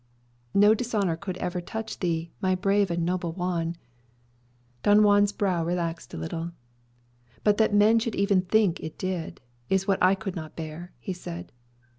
"No dishonour could ever touch thee, my brave and noble Juan." Don Juan's brow relaxed a little. "But that men should even think it did, is what I could not bear," he said.